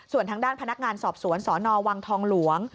ส่วนทางด้านพนักงานสอบสวนสนวังทองหลวง